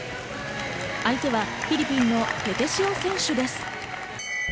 相手はフィリピンのペテシオ選手です。